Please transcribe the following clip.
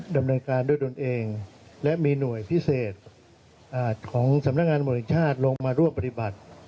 ดำเนินการด้วยดนเองและมีหน่วยพิเศษของสำนักงานบริหารชาติลงมาร่วมปฏิบัติ